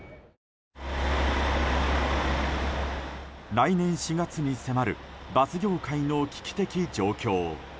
来年４月に迫るバス業界の危機的状況。